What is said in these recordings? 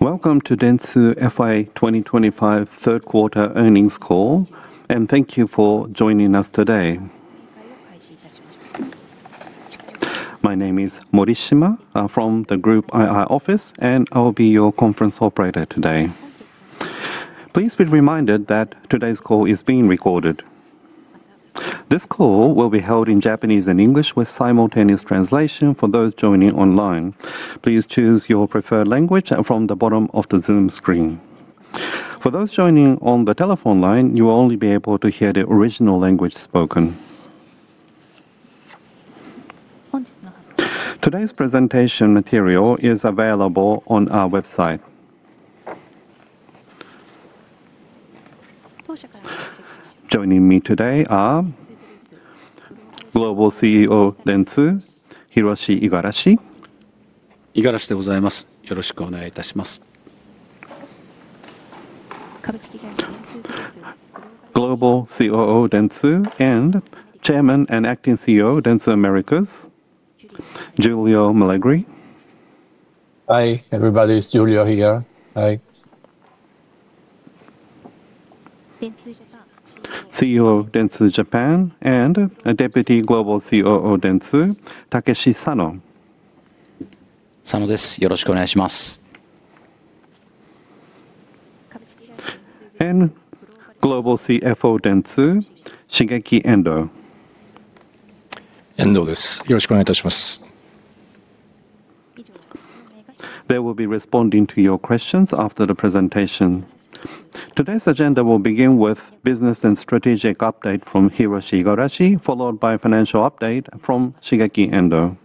Welcome to Dentsu FY 2025 third quarter earnings call, and thank you for joining us today. My name is Morishima. I'm from the Group IR office, and I'll be your conference operator today. Please be reminded that today's call is being recorded. This call will be held in Japanese and English with simultaneous translation for those joining online. Please choose your preferred language from the bottom of the Zoom screen. For those joining on the telephone line, you will only be able to hear the original language spoken. Today's presentation material is available on our website. Joining me today is Global CEO Dentsu, Hiroshi Igarashi. イガラシでございます。よろしくお願いいたします。Global COO Dentsu and Chairman and Acting CEO Dentsu Americas, Giulio Malegori. Hi, everybody. It's Giulio here. Hi. CEO Dentsu Japan and Deputy Global COO Dentsu, Takeshi Sano. 佐野です。よろしくお願いします。And Global CFO Dentsu, Shigeki Endo. 遠藤です。よろしくお願いいたします。They will be responding to your questions after the presentation. Today's agenda will begin with business and strategic update from Hiroshi Igarashi, followed by a financial update from Shigeki Endo.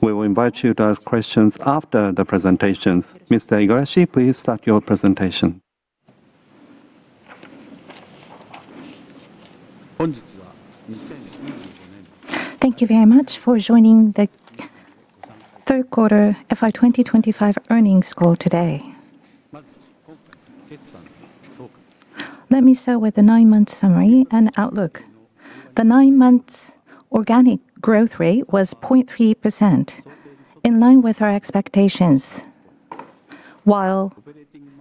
We will invite you to ask questions after the presentations. Mr. Igarashi, please start your presentation. Thank you very much for joining the third quarter FY 2025 earnings call today. Let me start with the nine-month summary and outlook. The nine-month organic growth rate was 0.3%, in line with our expectations, while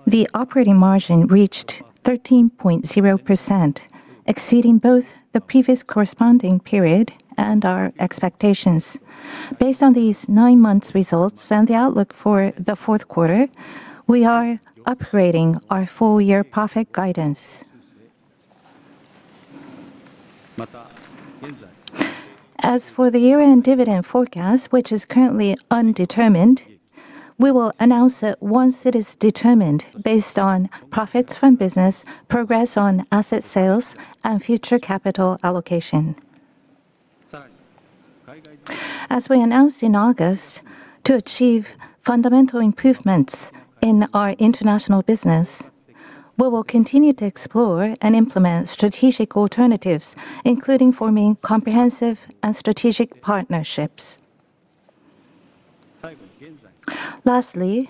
the operating margin reached 13.0%, exceeding both the previous corresponding period and our expectations. Based on these nine-month results and the outlook for the fourth quarter, we are upgrading our full-year profit guidance. As for the year-end dividend forecast, which is currently undetermined, we will announce it once it is determined based on profits from business, progress on asset sales, and future capital allocation. As we announced in August, to achieve fundamental improvements in our international business, we will continue to explore and implement strategic alternatives, including forming comprehensive and strategic partnerships. Lastly,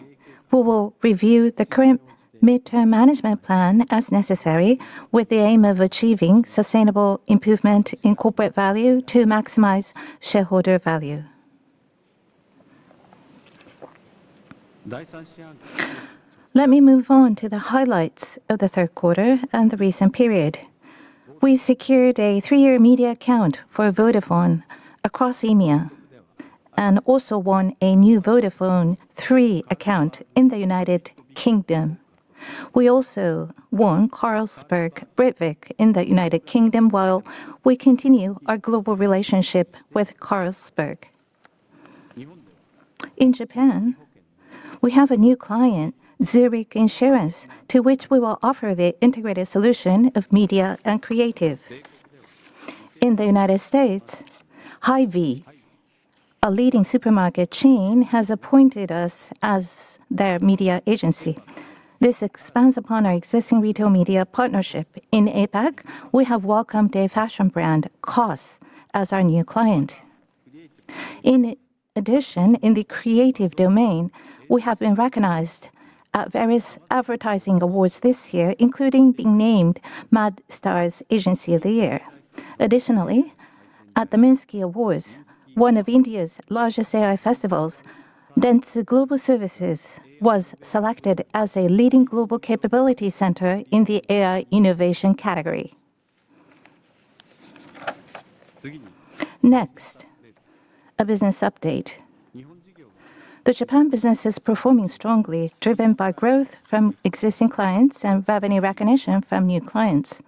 we will review the current midterm management plan as necessary, with the aim of achieving sustainable improvement in corporate value to maximize shareholder value. Let me move on to the highlights of the third quarter and the recent period. We secured a three-year media account for Vodafone across EMEA and also won a new Vodafone 3 account in the United Kingdom. We also won Carlsberg Britvic in the United Kingdom while we continue our global relationship with Carlsberg. In Japan, we have a new client, Zurich Insurance, to which we will offer the integrated solution of media and creative. In the United States, Hy-Vee, a leading supermarket chain, has appointed us as their media agency. This expands upon our existing retail media partnership. In APAC, we have welcomed a fashion brand, COS, as our new client. In addition, in the creative domain, we have been recognized at various advertising awards this year, including being named Mad Stars Agency of the Year. Additionally, at the Minsky Awards, one of India's largest AI festivals, Dentsu Global Services was selected as a leading global capability center in the AI innovation category. Next, a business update. The Japan business is performing strongly, driven by growth from existing clients and revenue recognition from new clients.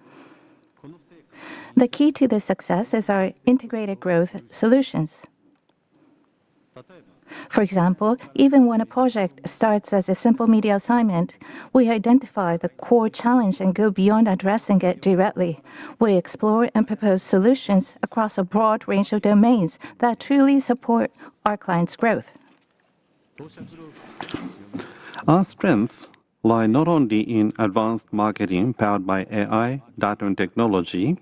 The key to this success is our integrated growth solutions. For example, even when a project starts as a simple media assignment, we identify the core challenge and go beyond addressing it directly. We explore and propose solutions across a broad range of domains that truly support our clients' growth. Our strengths lie not only in advanced marketing powered by AI data and technology,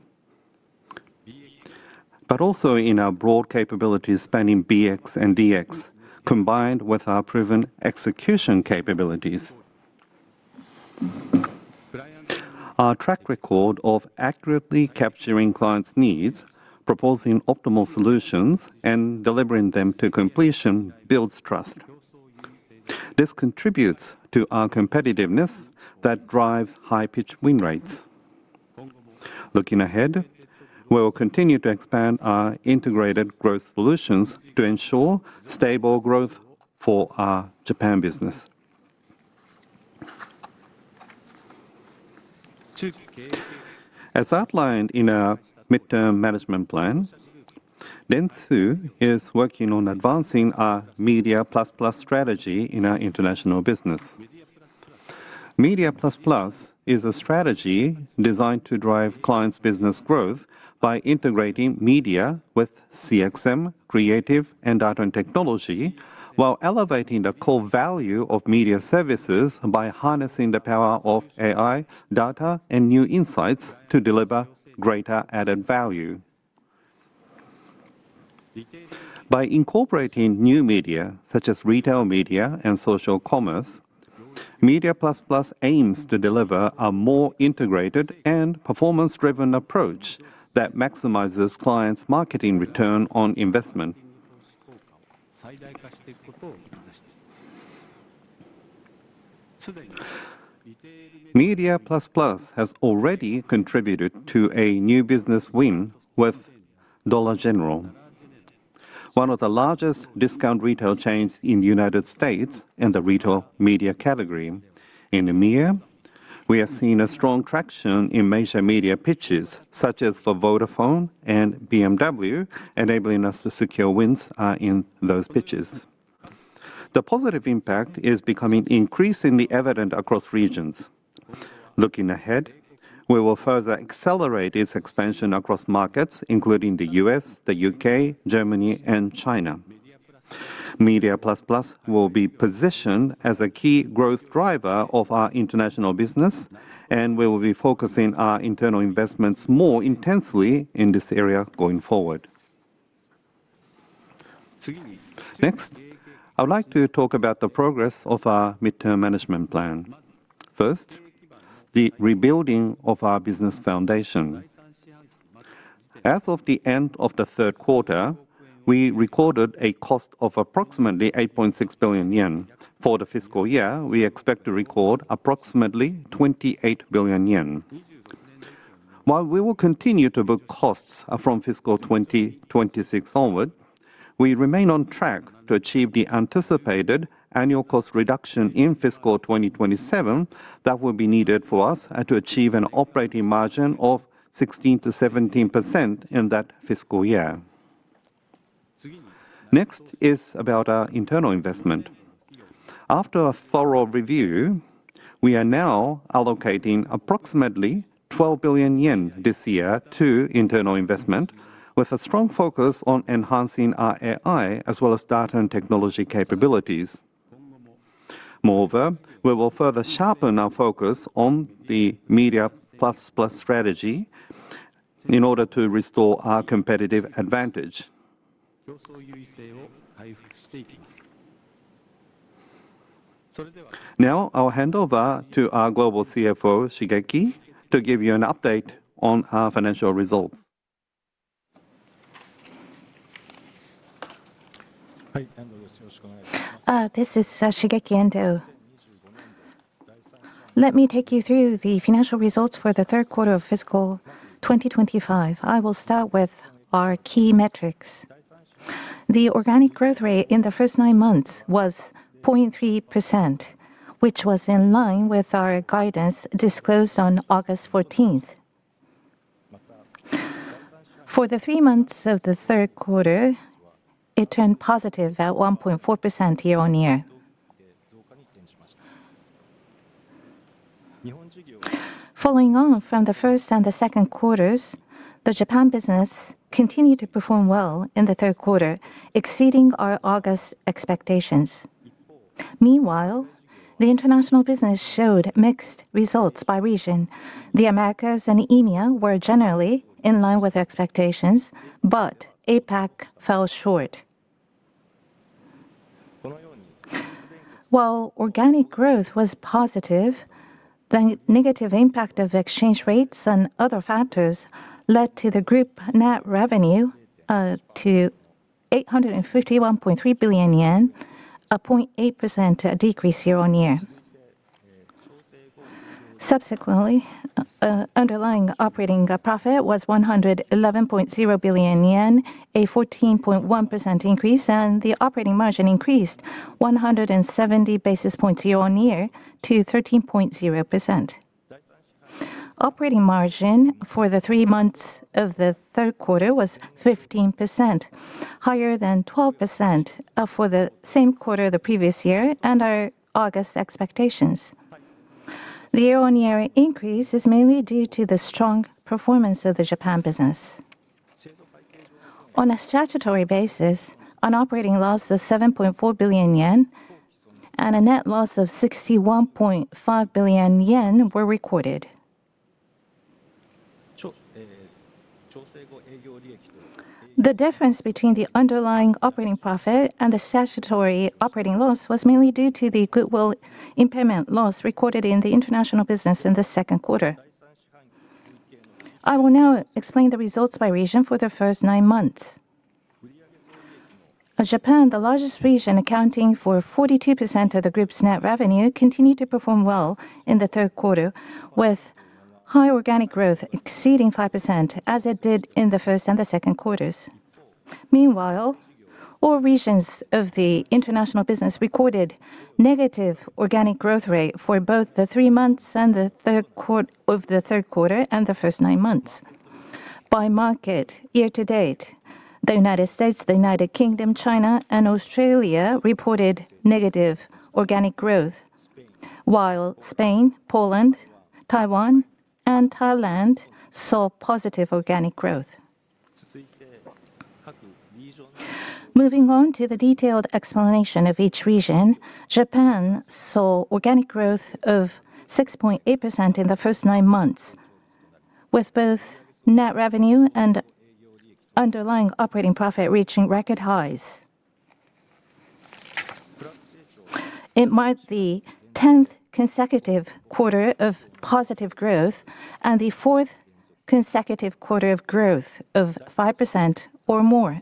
but also in our broad capabilities spanning BX and DX, combined with our proven execution capabilities. Our track record of accurately capturing clients' needs, proposing optimal solutions, and delivering them to completion builds trust. This contributes to our competitiveness that drives high-pitch win rates. Looking ahead, we will continue to expand our integrated growth solutions to ensure stable growth for our Japan business. As outlined in our midterm management plan, Dentsu is working on advancing our Media++ strategy in our international business. Media++ is a strategy designed to drive clients' business growth by integrating media with CXM, creative, and data and technology, while elevating the core value of media services by harnessing the power of AI, data, and new insights to deliver greater added value. By incorporating new media such as retail media and social commerce, Media++ aims to deliver a more integrated and performance-driven approach that maximizes clients' marketing return on investment. Media++ has already contributed to a new business win with Dollar General, one of the largest discount retail chains in the United States in the retail media category. In EMEA, we have seen strong traction in major media pitches such as for Vodafone and BMW, enabling us to secure wins in those pitches. The positive impact is becoming increasingly evident across regions. Looking ahead, we will further accelerate its expansion across markets, including the US, the UK, Germany, and China. Media++ will be positioned as a key growth driver of our international business, and we will be focusing our internal investments more intensely in this area going forward. Next, I would like to talk about the progress of our midterm management plan. First, the rebuilding of our business foundation. As of the end of the third quarter, we recorded a cost of approximately ¥8.6 billion. For the fiscal year, we expect to record approximately ¥28 billion. While we will continue to book costs from fiscal 2026 onward, we remain on track to achieve the anticipated annual cost reduction in fiscal 2027 that will be needed for us to achieve an operating margin of 16% to 17% in that fiscal year. Next is about our internal investment. After a thorough review, we are now allocating approximately ¥12 billion this year to internal investment, with a strong focus on enhancing our AI as well as data and technology capabilities. Moreover, we will further sharpen our focus on the Media++ strategy in order to restore our competitive advantage. Now, I'll hand over to our Global CFO, Shigeki, to give you an update on our financial results. This is Shigeki Endo. Let me take you through the financial results for the third quarter of fiscal 2025. I will start with our key metrics. The organic growth rate in the first nine months was 0.3%, which was in line with our guidance disclosed on August 14th. For the three months of the third quarter, it turned positive at 1.4% year on year. Following on from the first and the second quarters, the Japan business continued to perform well in the third quarter, exceeding our August expectations. Meanwhile, the international business showed mixed results by region. The Americas and EMEA were generally in line with expectations, but APAC fell short. While organic growth was positive, the negative impact of exchange rates and other factors led to the group net revenue to ¥851.3 billion, a 0.8% decrease year on year. Subsequently, underlying operating profit was ¥111.0 billion, a 14.1% increase, and the operating margin increased 170 basis points year on year to 13.0%. Operating margin for the three months of the third quarter was 15%, higher than 12% for the same quarter the previous year and our August expectations. The year-on-year increase is mainly due to the strong performance of the Japan business. On a statutory basis, an operating loss of ¥7.4 billion and a net loss of ¥61.5 billion were recorded. The difference between the underlying operating profit and the statutory operating loss was mainly due to the goodwill impairment loss recorded in the international business in the second quarter. I will now explain the results by region for the first nine months. Japan, the largest region accounting for 42% of the group's net revenue, continued to perform well in the third quarter, with high organic growth exceeding 5%, as it did in the first and the second quarters. Meanwhile, all regions of the international business recorded negative organic growth rate for both the three months of the third quarter and the first nine months. By market year to date, the United States, the United Kingdom, China, and Australia reported negative organic growth, while Spain, Poland, Taiwan, and Thailand saw positive organic growth. Moving on to the detailed explanation of each region, Japan saw organic growth of 6.8% in the first nine months, with both net revenue and underlying operating profit reaching record highs. It marked the tenth consecutive quarter of positive growth and the fourth consecutive quarter of growth of 5% or more.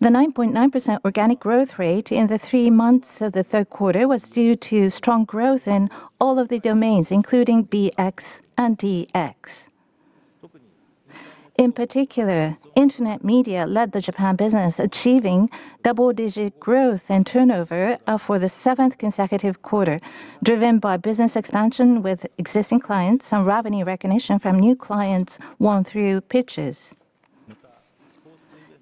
The 9.9% organic growth rate in the three months of the third quarter was due to strong growth in all of the domains, including BX and DX. In particular, internet media led the Japan business, achieving double-digit growth and turnover for the seventh consecutive quarter, driven by business expansion with existing clients and revenue recognition from new clients won through pitches.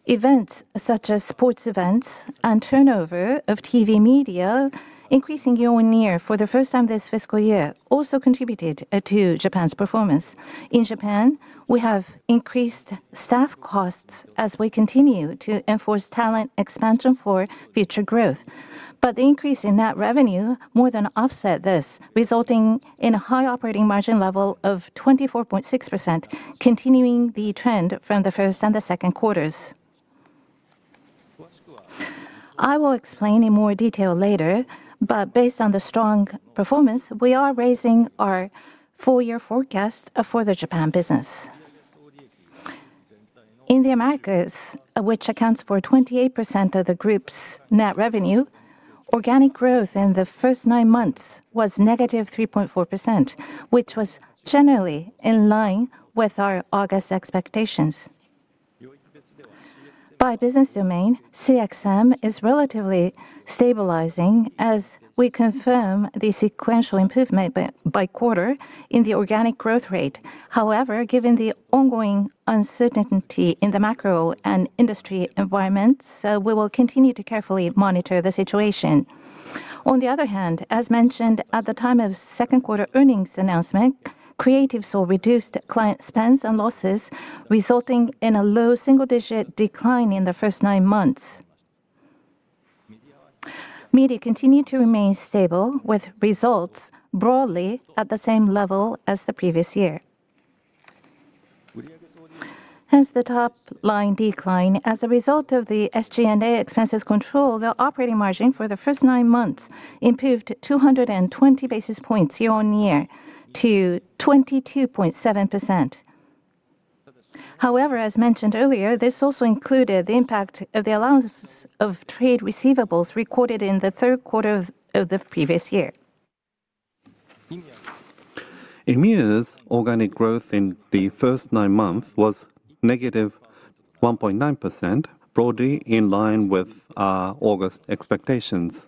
Events such as sports events and turnover of TV media, increasing year on year for the first time this fiscal year, also contributed to Japan's performance. In Japan, we have increased staff costs as we continue to enforce talent expansion for future growth, but the increase in net revenue more than offset this, resulting in a high operating margin level of 24.6%, continuing the trend from the first and the second quarters. I will explain in more detail later, but based on the strong performance, we are raising our four-year forecast for the Japan business. In the Americas, which accounts for 28% of the group's net revenue, organic growth in the first nine months was negative 3.4%, which was generally in line with our August expectations. By business domain, CXM is relatively stabilizing as we confirm the sequential improvement by quarter in the organic growth rate. However, given the ongoing uncertainty in the macro and industry environments, we will continue to carefully monitor the situation. On the other hand, as mentioned at the time of second quarter earnings announcement, creatives saw reduced client spends and losses, resulting in a low single-digit decline in the first nine months. Media continued to remain stable, with results broadly at the same level as the previous year. Hence, the top line decline as a result of the SG&A expenses control, the operating margin for the first nine months improved 220 basis points year on year to 22.7%. However, as mentioned earlier, this also included the impact of the allowance of trade receivables recorded in the third quarter of the previous year. EMEA's organic growth in the first nine months was negative 1.9%, broadly in line with our August expectations.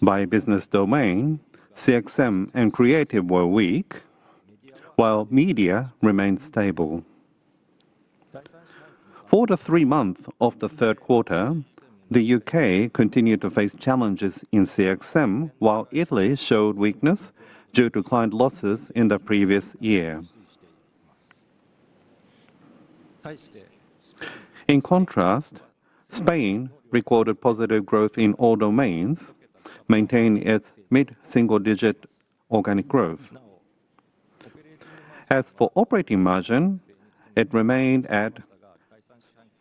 By business domain, CXM and creative were weak, while media remained stable. For the three months of the third quarter, the UK continued to face challenges in CXM, while Italy showed weakness due to client losses in the previous year. In contrast, Spain recorded positive growth in all domains, maintaining its mid-single-digit organic growth. As for operating margin, it remained at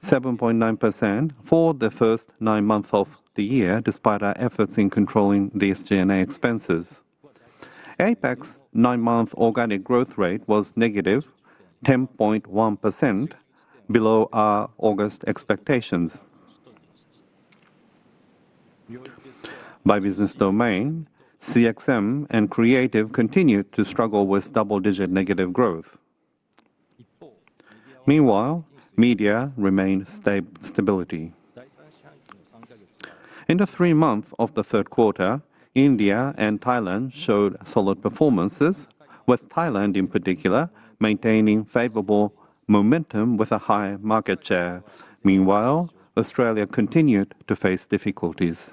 7.9% for the first nine months of the year, despite our efforts in controlling the SG&A expenses. APAC's nine-month organic growth rate was negative 10.1%, below our August expectations. By business domain, CXM and creative continued to struggle with double-digit negative growth. Meanwhile, media remained stable. In the three months of the third quarter, India and Thailand showed solid performances, with Thailand in particular maintaining favorable momentum with a high market share. Meanwhile, Australia continued to face difficulties.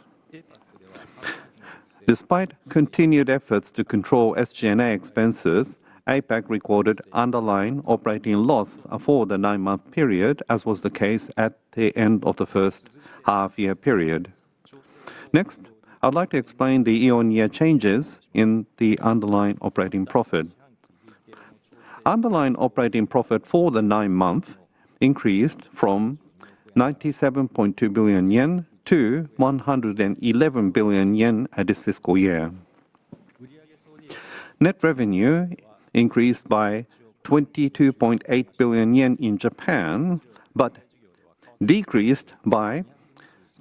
Despite continued efforts to control SG&A expenses, APAC recorded underlying operating loss for the nine-month period, as was the case at the end of the first half-year period. Next, I would like to explain the year-on-year changes in the underlying operating profit. Underlying operating profit for the nine months increased from ¥97.2 billion to ¥111 billion at this fiscal year. Net revenue increased by ¥22.8 billion in Japan, but decreased by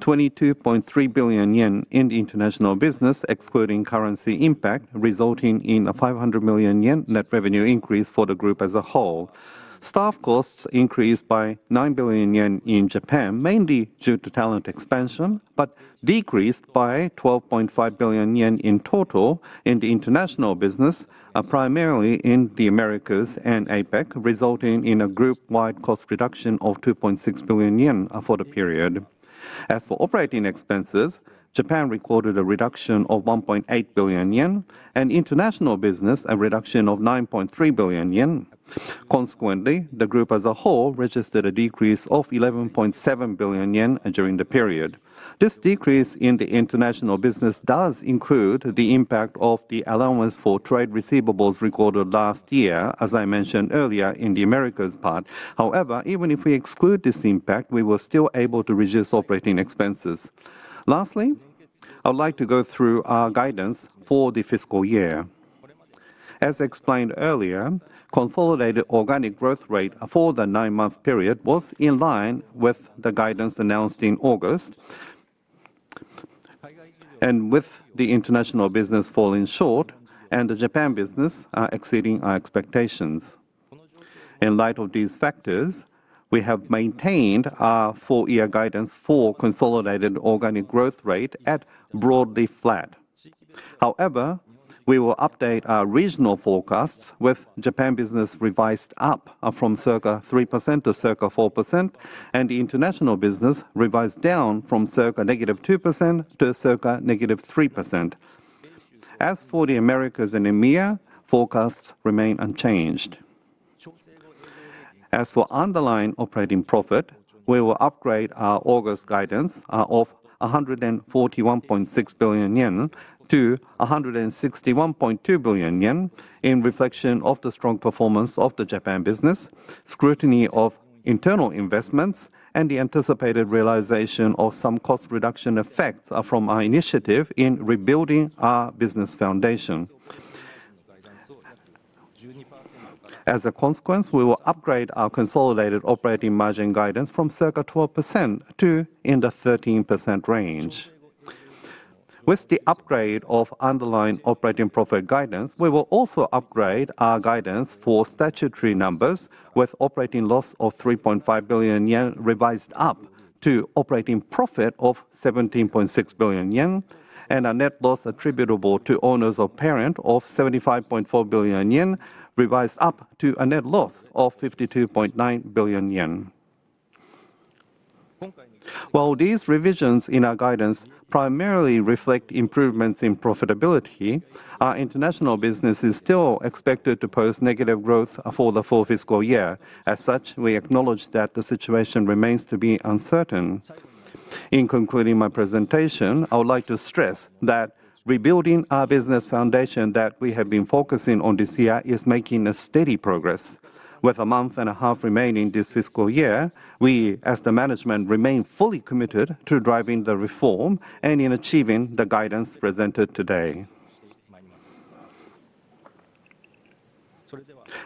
¥22.3 billion in international business, excluding currency impact, resulting in a ¥500 million net revenue increase for the group as a whole. Staff costs increased by ¥9 billion in Japan, mainly due to talent expansion, but decreased by ¥12.5 billion in total in the international business, primarily in the Americas and APAC, resulting in a group-wide cost reduction of ¥2.6 billion for the period. As for operating expenses, Japan recorded a reduction of ¥1.8 billion and international business a reduction of ¥9.3 billion. Consequently, the group as a whole registered a decrease of ¥11.7 billion during the period. This decrease in the international business does include the impact of the allowance for trade receivables recorded last year, as I mentioned earlier in the Americas part. However, even if we exclude this impact, we were still able to reduce operating expenses. Lastly, I would like to go through our guidance for the fiscal year. As explained earlier, consolidated organic growth rate for the nine-month period was in line with the guidance announced in August, and with the international business falling short and the Japan business exceeding our expectations. In light of these factors, we have maintained our four-year guidance for consolidated organic growth rate at broadly flat. However, we will update our regional forecasts with Japan business revised up from circa 3% to circa 4%, and the international business revised down from circa negative 2% to circa negative 3%. As for the Americas and EMEA, forecasts remain unchanged. As for underlying operating profit, we will upgrade our August guidance of ¥141.6 billion to ¥161.2 billion in reflection of the strong performance of the Japan business, scrutiny of internal investments, and the anticipated realization of some cost reduction effects from our initiative in rebuilding our business foundation. As a consequence, we will upgrade our consolidated operating margin guidance from circa 12% to in the 13% range. With the upgrade of underlying operating profit guidance, we will also upgrade our guidance for statutory numbers with operating loss of ¥3.5 billion revised up to operating profit of ¥17.6 billion, and a net loss attributable to owners or parent of ¥75.4 billion revised up to a net loss of ¥52.9 billion. While these revisions in our guidance primarily reflect improvements in profitability, our international business is still expected to post negative growth for the full fiscal year. As such, we acknowledge that the situation remains to be uncertain. In concluding my presentation, I would like to stress that rebuilding our business foundation that we have been focusing on this year is making steady progress. With a month and a half remaining this fiscal year, we as the management remain fully committed to driving the reform and in achieving the guidance presented today.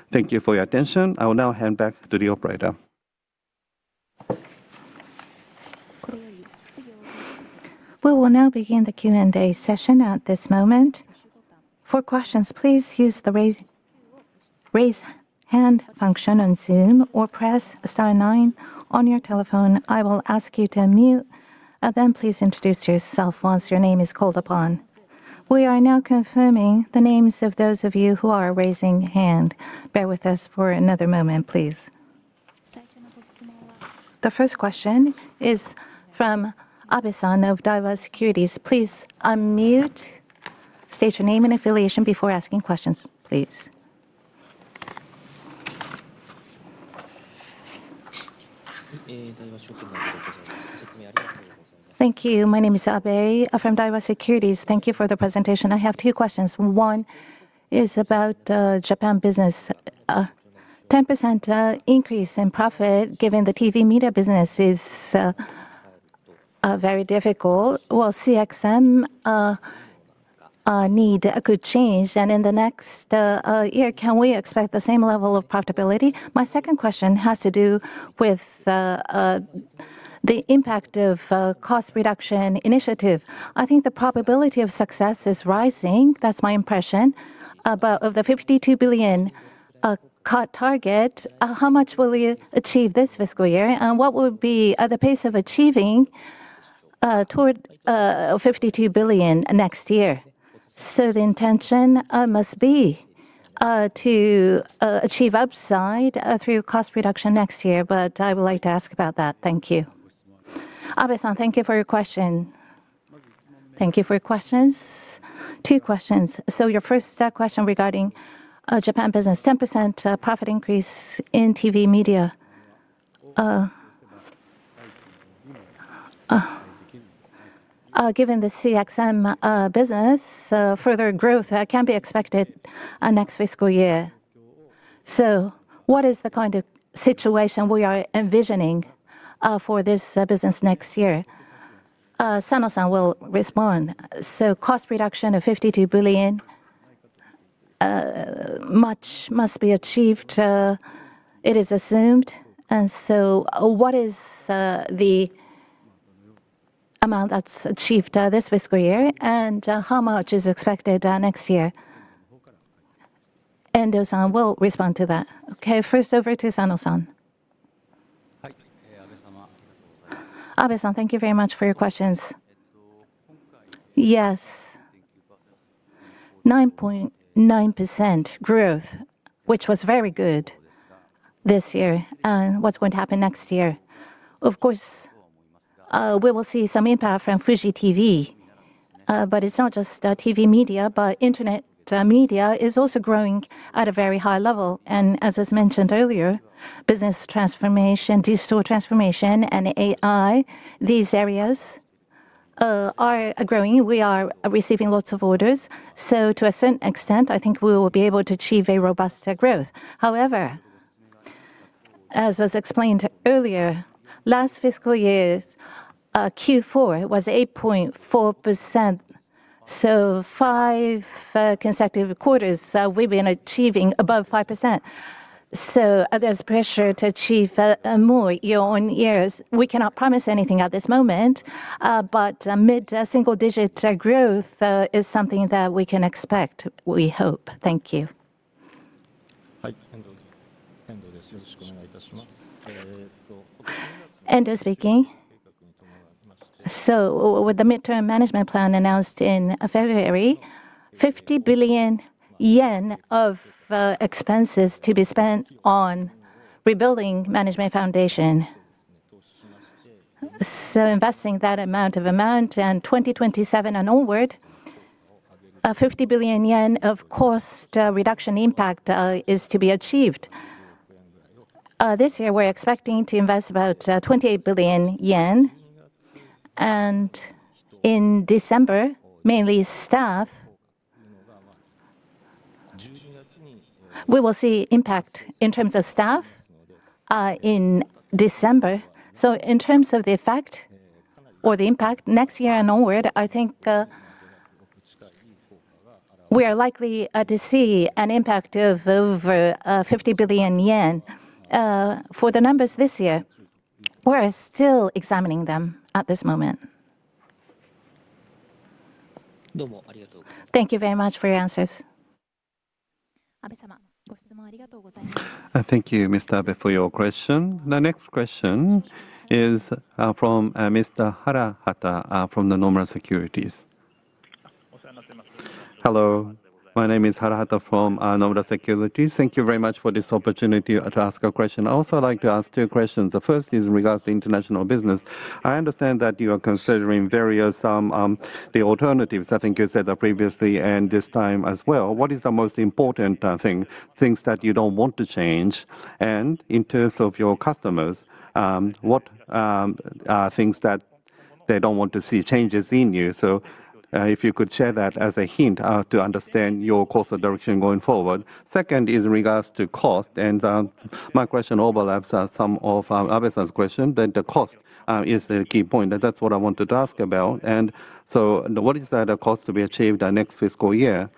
Thank you for your attention. I will now hand back to the operator. We will now begin the Q&A session at this moment. For questions, please use the raise hand function on Zoom or press star nine on your telephone. I will ask you to unmute, then please introduce yourself once your name is called upon. We are now confirming the names of those of you who are raising hand. Bear with us for another moment, please. The first question is from Abe-san of Daiwa Securities. Please unmute, state your name and affiliation before asking questions, please. Thank you. My name is Abe from Daiwa Securities. Thank you for the presentation. I have two questions. One is about Japan business. 10% increase in profit given the TV media business is very difficult. Will CXM need a good change? In the next year, can we expect the same level of profitability? My second question has to do with the impact of cost reduction initiative. I think the probability of success is rising. That's my impression. But of the ¥52 billion cut target, how much will you achieve this fiscal year? What will be the pace of achieving toward ¥52 billion next year? The intention must be to achieve upside through cost reduction next year, but I would like to ask about that. Thank you. Abe-san, thank you for your question. Thank you for your questions. Two questions. Your first question regarding Japan business, 10% profit increase in TV media. Given the CXM business, further growth can be expected next fiscal year. What is the kind of situation we are envisioning for this business next year? Sano-san will respond. Cost reduction of ¥52 billion must be achieved, it is assumed. What is the amount that's achieved this fiscal year? How much is expected next year? Endo-san will respond to that. First over to Sano-san. Abe-san, thank you very much for your questions. 9.9% growth, which was very good this year. What's going to happen next year? Of course, we will see some impact from Fuji TV, but it's not just TV media, but internet media is also growing at a very high level. As I mentioned earlier, business transformation, digital transformation, and AI, these areas are growing. We are receiving lots of orders. To a certain extent, I think we will be able to achieve robust growth. However, as was explained earlier, last fiscal year, Q4 was 8.4%. Five consecutive quarters, we've been achieving above 5%. There's pressure to achieve more year on year. We cannot promise anything at this moment, but mid-single-digit growth is something that we can expect, we hope. Thank you. Endo speaking. With the midterm management plan announced in February, ¥50 billion of expenses to be spent on rebuilding management foundation. Investing that amount and 2027 and onward, ¥50 billion of cost reduction impact is to be achieved. This year, we're expecting to invest about ¥28 billion. In December, mainly staff, we will see impact in terms of staff in December. In terms of the effect or the impact next year and onward, I think we are likely to see an impact of over ¥50 billion for the numbers this year. We're still examining them at this moment. Thank you very much for your answers. Abe-san, thank you, Mr. Abe, for your question. The next question is from Mr. Harahata from the Nomura Securities. Hello. My name is Harahata from Nomura Securities. Thank you very much for this opportunity to ask a question. I also like to ask two questions. The first is in regards to international business. I understand that you are considering various alternatives. I think you said that previously and this time as well. What is the most important thing, things that you don't want to change? In terms of your customers, what are things that they don't want to see changes in you? If you could share that as a hint to understand your course of direction going forward. Second is in regards to cost. My question overlaps some of Abe-san's question that the cost is the key point. That's what I wanted to ask about. What is the cost to be achieved next fiscal year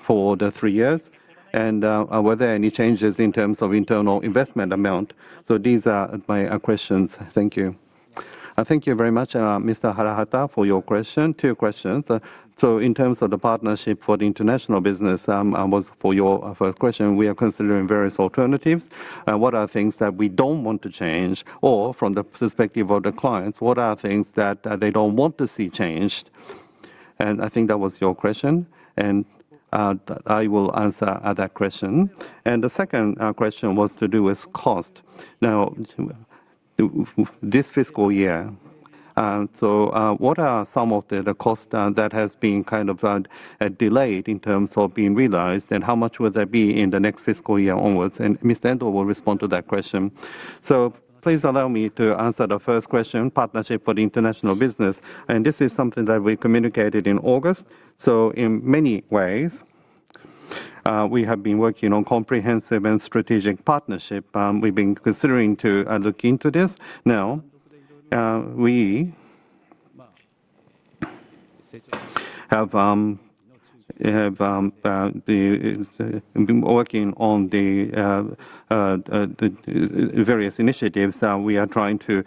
for the three years? Were there any changes in terms of internal investment amount? These are my questions. Thank you. Thank you very much, Mr. Harahata, for your question. Two questions. In terms of the partnership for the international business, for your first question, we are considering various alternatives. What are things that we don't want to change? From the perspective of the clients, what are things that they don't want to see changed? I think that was your question. I will answer that question. The second question was to do with cost. This fiscal year, what are some of the costs that have been kind of delayed in terms of being realized? How much will there be in the next fiscal year onwards? Ms. Endo will respond to that question. Please allow me to answer the first question, partnership for the international business. This is something that we communicated in August. In many ways, we have been working on comprehensive and strategic partnership. We've been considering to look into this. We have been working on the various initiatives that we are trying to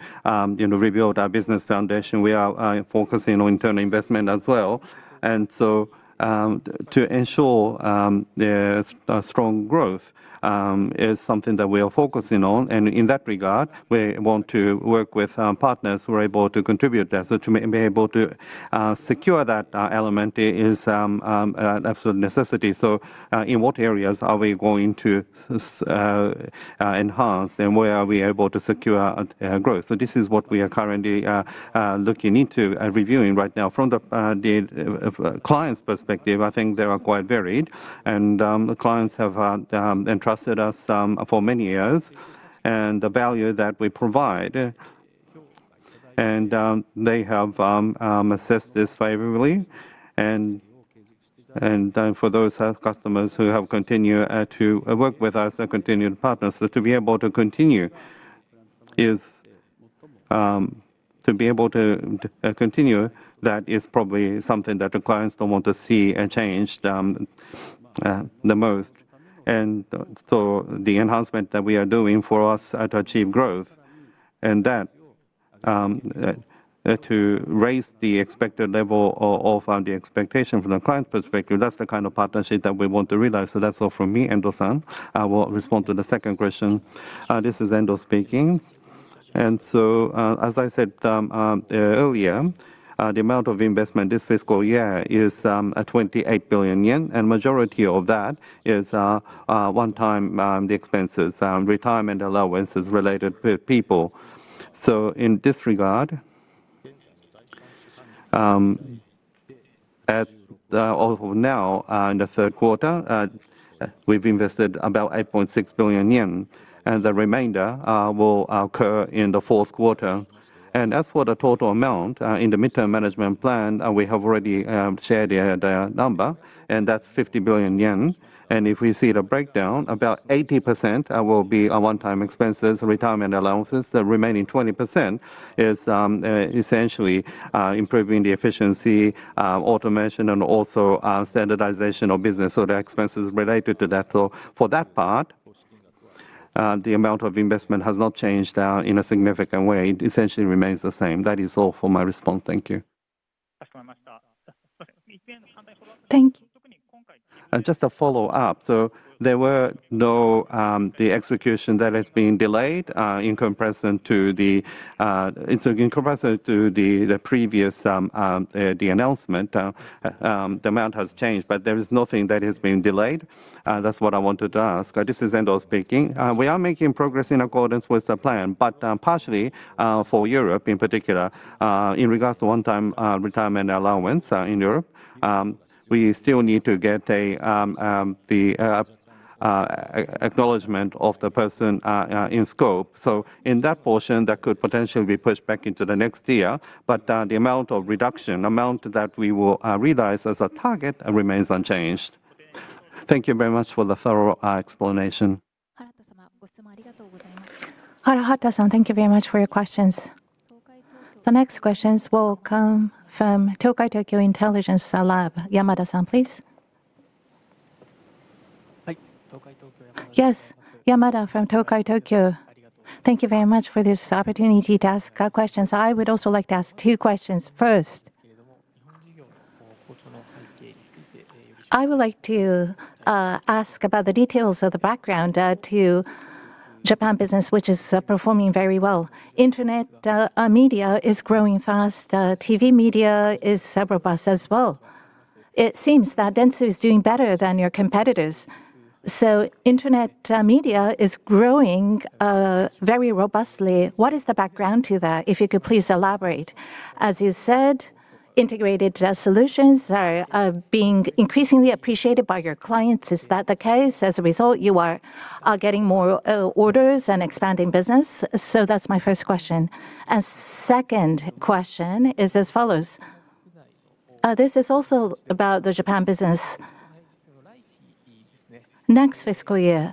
rebuild our business foundation. We are focusing on internal investment as well. To ensure strong growth is something that we are focusing on. In that regard, we want to work with partners who are able to contribute that. To be able to secure that element is an absolute necessity. In what areas are we going to enhance? Where are we able to secure growth? This is what we are currently looking into and reviewing right now. From the client's perspective, I think they are quite varied. Clients have entrusted us for many years and the value that we provide. They have assessed this favorably. For those customers who have continued to work with us and continue to partner, to be able to continue is to be able to continue, that is probably something that the clients don't want to see changed the most. The enhancement that we are doing for us to achieve growth and that to raise the expected level of the expectation from the client perspective, that's the kind of partnership that we want to realize. That's all from me, Endo-san. I will respond to the second question. This is Endo speaking. As I said earlier, the amount of investment this fiscal year is ¥28 billion. Majority of that is one-time expenses, retirement allowances related to people. In this regard, as of now, in the third quarter, we've invested about ¥8.6 billion. The remainder will occur in the fourth quarter. As for the total amount in the midterm management plan, we have already shared a number, and that's ¥50 billion. If we see the breakdown, about 80% will be one-time expenses, retirement allowances. The remaining 20% is essentially improving the efficiency, automation, and also standardization of business or the expenses related to that. For that part, the amount of investment has not changed in a significant way. It essentially remains the same. That is all for my response. Thank you. Just a follow-up. There were no the execution that has been delayed in comparison to the in comparison to the previous the announcement, the amount has changed, but there is nothing that has been delayed. That's what I wanted to ask. This is Endo speaking. We are making progress in accordance with the plan, but partially for Europe in particular, in regards to one-time retirement allowance in Europe, we still need to get the acknowledgement of the person in scope. In that portion, that could potentially be pushed back into the next year. But the amount of reduction, the amount that we will realize as a target remains unchanged. Thank you very much for the thorough explanation. Harahata-san, thank you very much for your questions. The next questions will come from Tokai Tokyo Intelligence Lab. Yamada-san, please. Yamada from Tokai Tokyo. Thank you very much for this opportunity to ask questions. I would also like to ask two questions. First, I would like to ask about the details of the background to Japan business, which is performing very well. Internet media is growing fast. TV media is robust as well. It seems that Dentsu is doing better than your competitors. Internet media is growing very robustly. What is the background to that? If you could please elaborate. As you said, integrated solutions are being increasingly appreciated by your clients. Is that the case? As a result, you are getting more orders and expanding business. That's my first question. Second question is as follows. This is also about the Japan business. Next fiscal year.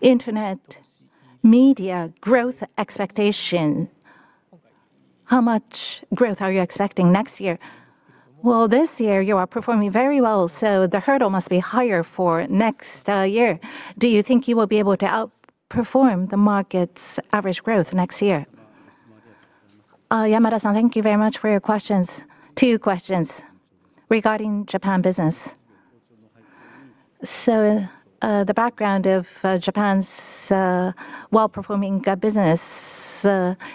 Internet media growth expectation. How much growth are you expecting next year? This year you are performing very well. The hurdle must be higher for next year. Do you think you will be able to outperform the market's average growth next year? Yamada-san, thank you very much for your questions. Two questions regarding Japan business. The background of Japan's well-performing business,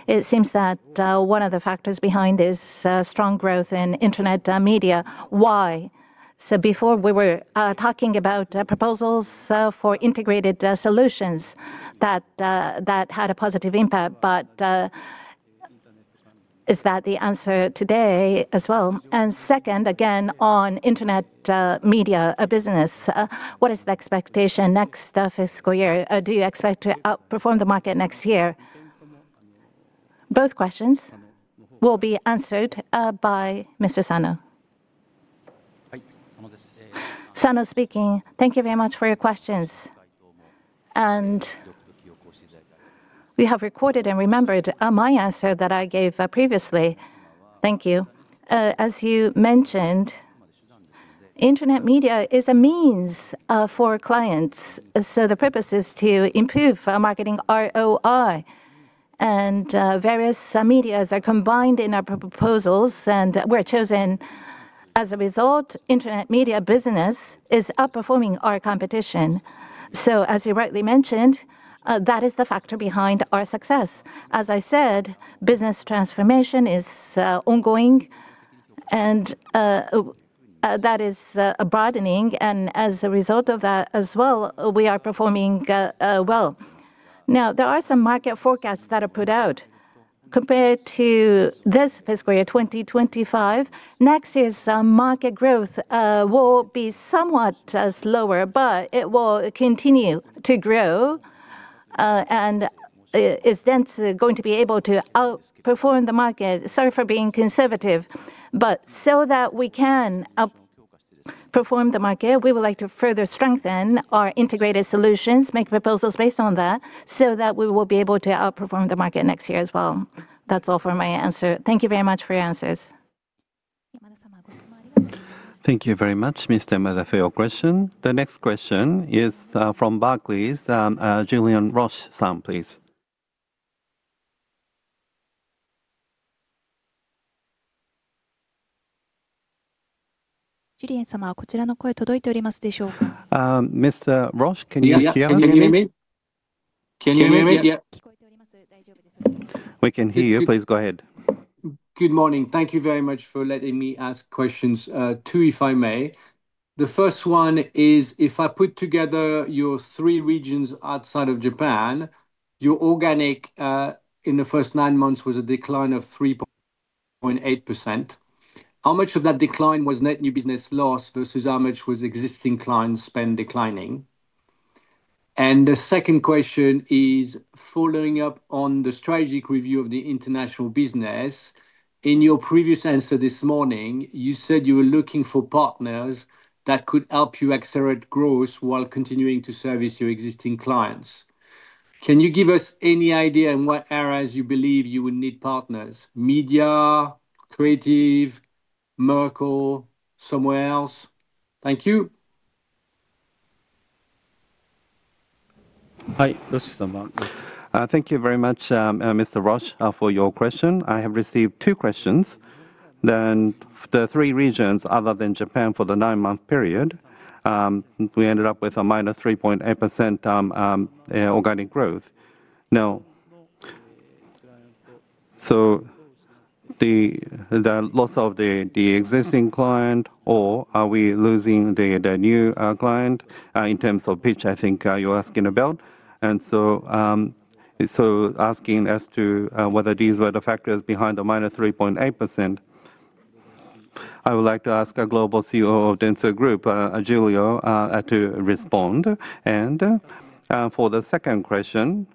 it seems that one of the factors behind is strong growth in internet media. Why? Before we were talking about proposals for integrated solutions that had a positive impact, but is that the answer today as well? Second, again, on internet media business, what is the expectation next fiscal year? Do you expect to outperform the market next year? Both questions will be answered by Mr. Sano. Sano speaking. Thank you very much for your questions. We have recorded and remembered my answer that I gave previously. Thank you. As you mentioned, internet media is a means for clients. The purpose is to improve our marketing ROI. Various medias are combined in our proposals and we're chosen. As a result, internet media business is outperforming our competition. As you rightly mentioned, that is the factor behind our success. As I said, business transformation is ongoing and that is broadening. As a result of that as well, we are performing well. There are some market forecasts that are put out. Compared to this fiscal year 2025, next year's market growth will be somewhat lower, but it will continue to grow. Is Dentsu going to be able to outperform the market? Sorry for being conservative, but so that we can outperform the market, we would like to further strengthen our integrated solutions, make proposals based on that so that we will be able to outperform the market next year as well. That's all for my answer. Thank you very much for your answers. Thank you very much, Mr. Yamada, for your question. The next question is from Barclays, Julian Roche-san, please. Julian-sama, can you hear us? Mr. Roche, can you hear me? Can you hear me? Yeah. 聞こえております。大丈夫です。We can hear you. Please go ahead. Good morning. Thank you very much for letting me ask questions, two if I may. The first one is, if I put together your three regions outside of Japan, your organic in the first nine months was a decline of 3.8%. How much of that decline was net new business loss versus how much was existing client spend declining? The second question is following up on the strategic review of the international business. In your previous answer this morning, you said you were looking for partners that could help you accelerate growth while continuing to service your existing clients. Can you give us any idea in what areas you believe you would need partners? Media, creative, Merkle, somewhere else? Thank you. はい、よしさん。Thank you very much, Mr. Roche, for your question. I have received two questions. Then the three regions other than Japan for the nine-month period, we ended up with a minus 3.8% organic growth. So the loss of the existing client or are we losing the new client in terms of pitch I think you're asking about? Asking as to whether these were the factors behind the minus 3.8%, I would like to ask a global CEO of Dentsu Group, Julio, to respond. For the second question,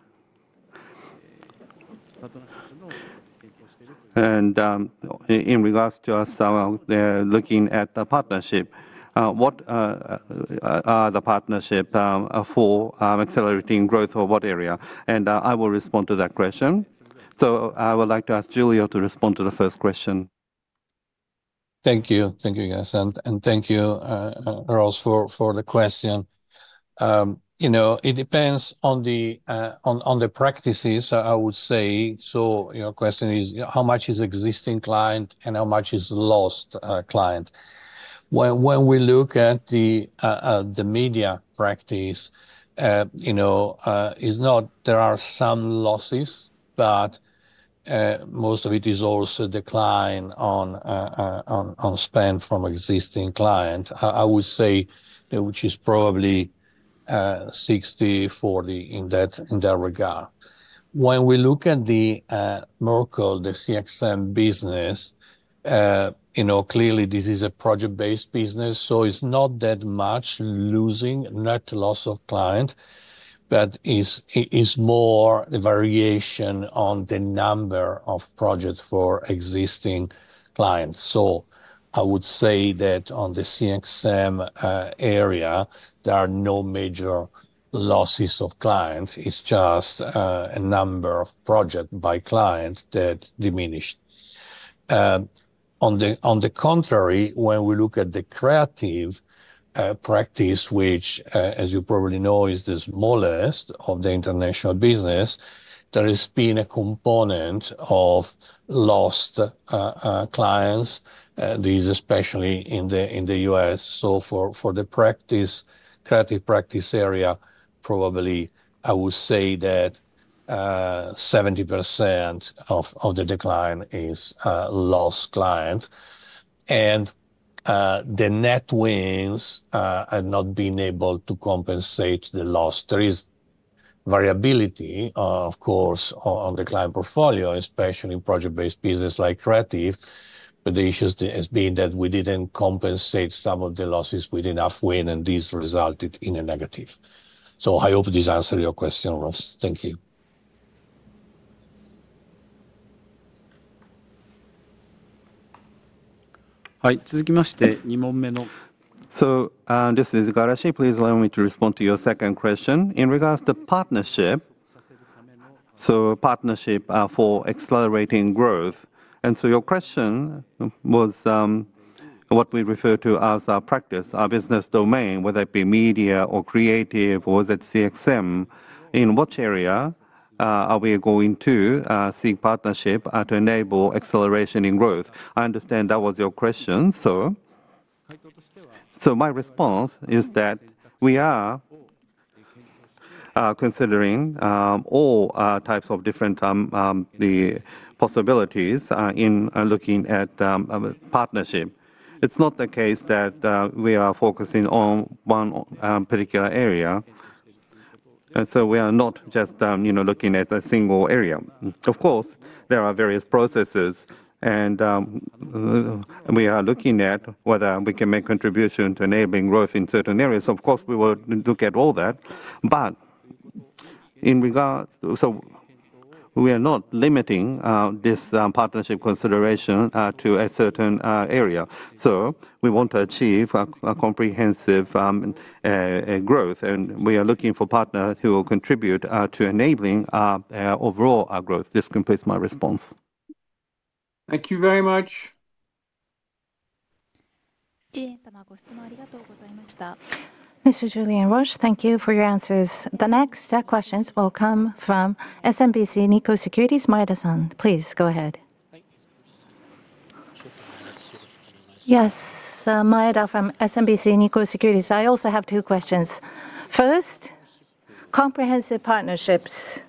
in regards to us looking at the partnership, what are the partnerships for accelerating growth or what area? I will respond to that question. I would like to ask Julio to respond to the first question. Thank you. Thank you, guys. Thank you, Ross, for the question. It depends on the practices, I would say. Your question is how much is existing client and how much is lost client. When we look at the media practice, there are some losses, but most of it is also decline on spend from existing client, I would say, which is probably 60-40 in that regard. When we look at the Merkle, the CXM business, clearly this is a project-based business, so it's not that much losing, not loss of client, but it's more the variation on the number of projects for existing clients. I would say that on the CXM area, there are no major losses of clients. It's just a number of projects by clients that diminished. On the contrary, when we look at the creative practice, which, as you probably know, is the smallest of the international business, there has been a component of lost clients. This is especially in the US. For the creative practice area, probably I would say that 70% of the decline is lost clients. The net wins have not been able to compensate the loss. There is variability, of course, on the client portfolio, especially in project-based business like creative, but the issue has been that we didn't compensate some of the losses with enough win, and this resulted in a negative. I hope this answers your question, Ross. Thank you. はい、続きまして2問目の。This is Garashi. Please allow me to respond to your second question. In regards to partnership for accelerating growth, your question was what we refer to as our practice, our business domain, whether it be media or creative or CXM, in which area are we going to seek partnership to enable acceleration in growth? I understand that was your question. My response is that we are considering all types of different possibilities in looking at partnership. It's not the case that we are focusing on one particular area. We are not just looking at a single area. Of course, there are various processes, and we are looking at whether we can make contribution to enabling growth in certain areas. Of course, we will look at all that. But we are not limiting this partnership consideration to a certain area. We want to achieve a comprehensive growth, and we are looking for partners who will contribute to enabling overall growth. This completes my response. Thank you very much. Julian-sama, thank you for your question. Mr. Julian Roche, thank you for your answers. The next questions will come from SMBC NIKKO Securities. Maeda-san, please go ahead. Yes, Maeda from SMBC NIKKO Securities. I also have two questions. First, comprehensive partnerships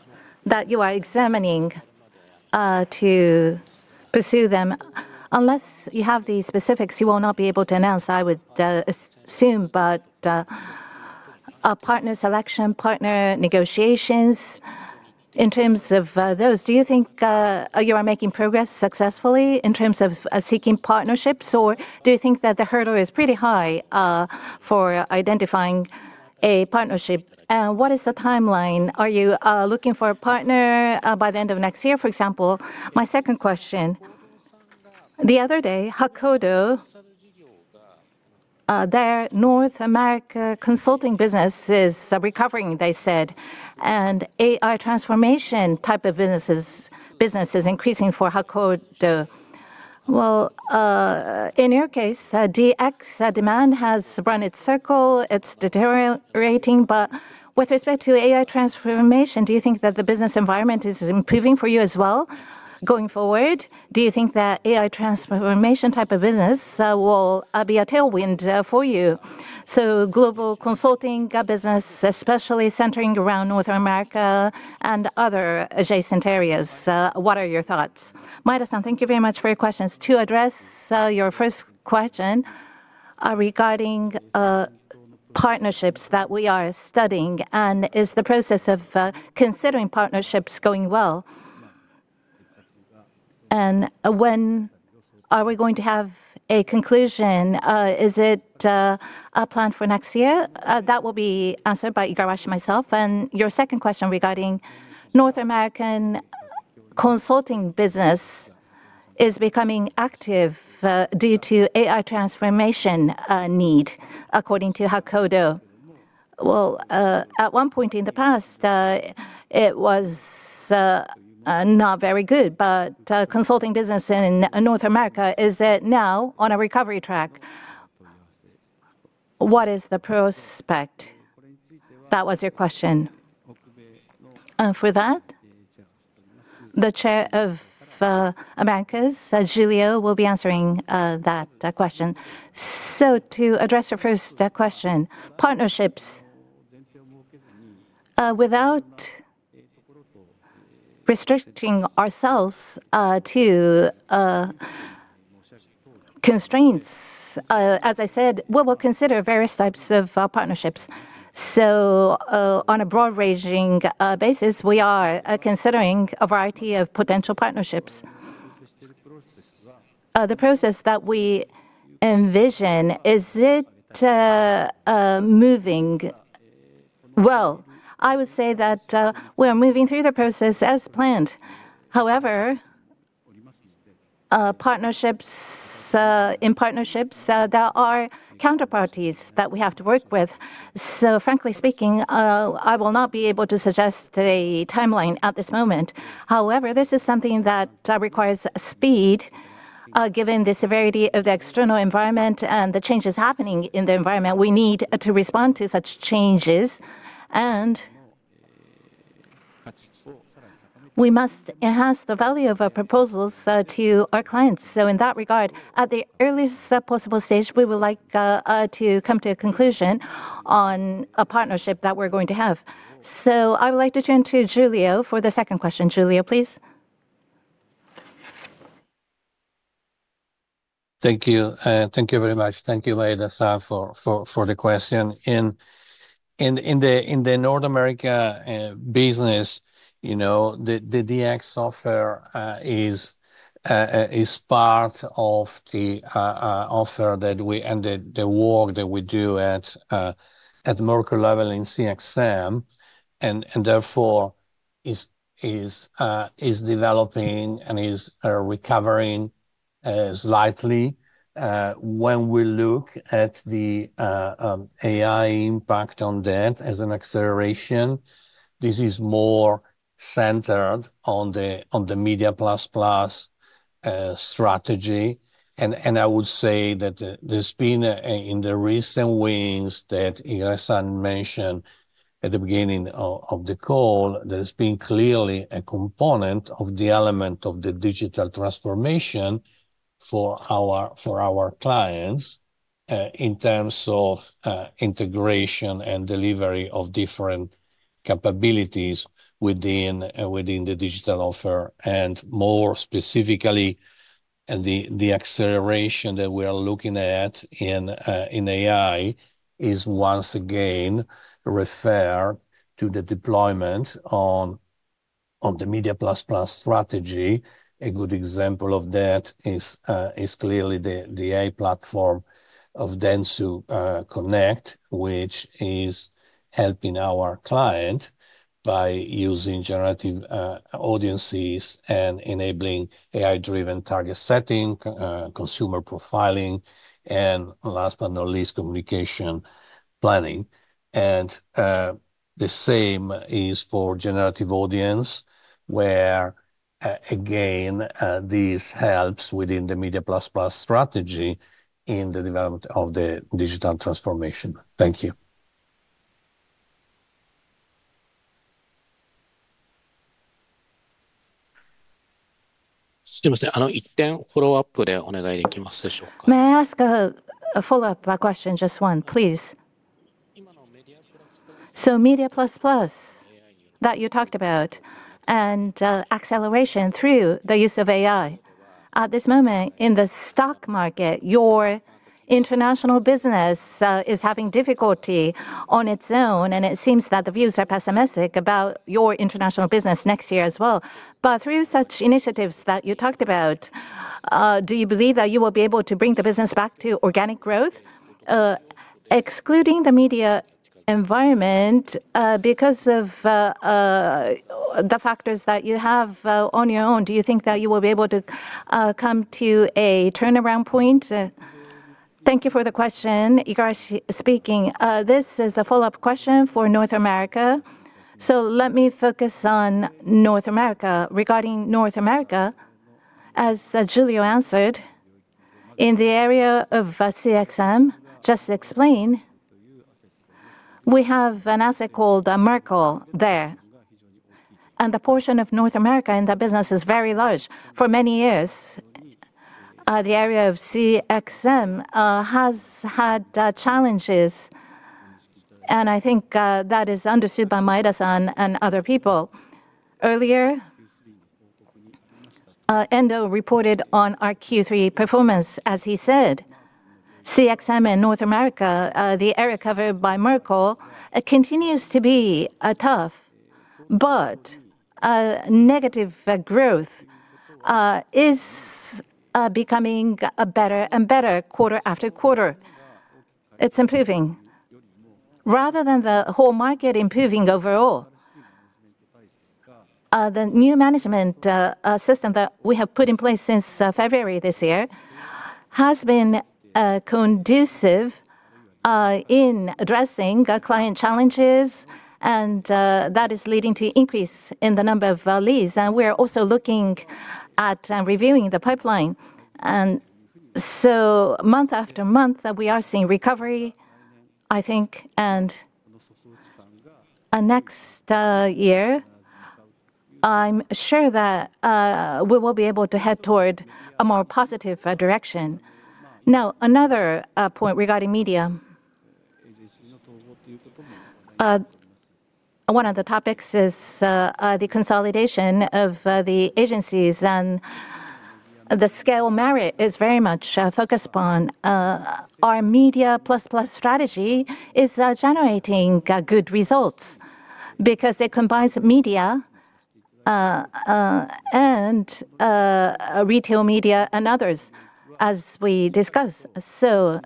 that you are examining to pursue them. Unless you have the specifics, you will not be able to announce, I would assume, but partner selection, partner negotiations in terms of those, do you think you are making progress successfully in terms of seeking partnerships, or do you think that the hurdle is pretty high for identifying a partnership? What is the timeline? Are you looking for a partner by the end of next year, for example? My second question. The other day, Hakuhodo, their North America consulting business is recovering, they said, and AI transformation type of business is increasing for Hakuhodo. Well, in your case, DX demand has run its circle. It's deteriorating, but with respect to AI transformation, do you think that the business environment is improving for you as well going forward? Do you think that AI transformation type of business will be a tailwind for you? So global consulting business, especially centering around North America and other adjacent areas. What are your thoughts? Maeda-san, thank you very much for your questions. To address your first question regarding partnerships that we are studying, and is the process of considering partnerships going well? When are we going to have a conclusion? Is it a plan for next year? That will be answered by Garashi myself. Your second question regarding North American consulting business is becoming active due to AI transformation need according to Hakuhodo. Well, at one point in the past, it was not very good, but consulting business in North America is now on a recovery track. What is the prospect? That was your question. For that, the Chair of Americas, Julio, will be answering that question. So to address your first question, partnerships without restricting ourselves to constraints, as I said, we will consider various types of partnerships. So on a broad ranging basis, we are considering a variety of potential partnerships. The process that we envision, is it moving? Well, I would say that we are moving through the process as planned. However, in partnerships, there are counterparties that we have to work with. So frankly speaking, I will not be able to suggest a timeline at this moment. However, this is something that requires speed given the severity of the external environment and the changes happening in the environment. We need to respond to such changes, and we must enhance the value of our proposals to our clients. So in that regard, at the earliest possible stage, we would like to come to a conclusion on a partnership that we're going to have. So I would like to turn to Julio for the second question. Julio, please. Thank you. Thank you very much. Thank you, Maeda-san, for the question. In the North America business, you know, the DX offer is part of the offer that we and the work that we do at Merkle level in CXM, and therefore is developing and is recovering slightly. When we look at the AI impact on that as an acceleration, this is more centered on the Media Plus Plus strategy. I would say that there's been in the recent wins that Iglesias mentioned at the beginning of the call, there's been clearly a component of the element of the digital transformation for our clients in terms of integration and delivery of different capabilities within the digital offer. More specifically, the acceleration that we are looking at in AI is once again referred to the deployment on the Media Plus Plus strategy. A good example of that is clearly the AI platform of Dentsu Connect, which is helping our client by using generative audiences and enabling AI-driven target setting, consumer profiling, and last but not least, communication planning. The same is for generative audience where again this helps within the Media Plus Plus strategy in the development of the digital transformation. Thank you. すみません、一点フォローアップでお願いできますでしょうか。May I ask a follow-up question? Just one, please. So Media Plus Plus that you talked about and acceleration through the use of AI at this moment in the stock market, your international business is having difficulty on its own, and it seems that the views are pessimistic about your international business next year as well. But through such initiatives that you talked about, do you believe that you will be able to bring the business back to organic growth, excluding the media environment because of the factors that you have on your own? Do you think that you will be able to come to a turnaround point? Thank you for the question. Iglesan speaking, this is a follow-up question for North America. So let me focus on North America. Regarding North America, as Julio answered, in the area of CXM, just to explain, we have an asset called Merkel there, and the portion of North America in that business is very large. For many years, the area of CXM has had challenges, and I think that is understood by Maeda-san and other people. Earlier, Endo reported on our Q3 performance. As he said, CXM in North America, the area covered by Merkel, continues to be tough, but negative growth is becoming better and better quarter after quarter. It's improving. Rather than the whole market improving overall, the new management system that we have put in place since February this year has been conducive in addressing client challenges, and that is leading to an increase in the number of leads. We are also looking at reviewing the pipeline. So month after month, we are seeing recovery, I think. Next year, I'm sure that we will be able to head toward a more positive direction. Now, another point regarding media, one of the topics is the consolidation of the agencies, and the scale merit is very much focused upon. Our Media Plus Plus strategy is generating good results because it combines media and retail media and others, as we discussed. So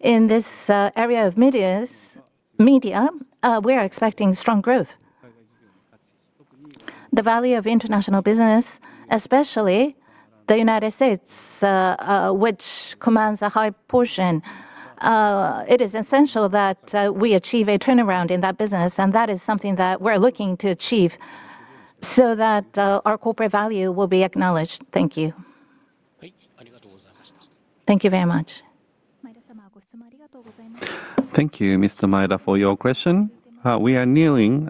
in this area of media, we are expecting strong growth. The value of international business, especially the United States, which commands a high portion, it is essential that we achieve a turnaround in that business, and that is something that we're looking to achieve so that our corporate value will be acknowledged. Thank you. Thank you very much. Thank you, Mr. Maeda, for your question. We are nearing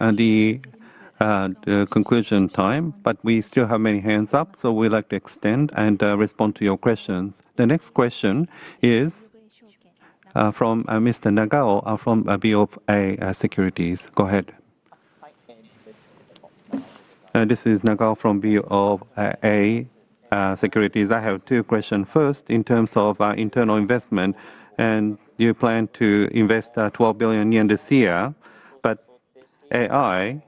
the conclusion time, but we still have many hands up, so we'd like to extend and respond to your questions. The next question is from Mr. Nagao from BOA Securities. Go ahead. This is Nagao from BOA Securities. I have two questions. First, in terms of internal investment, do you plan to invest ¥12 billion this year? But AI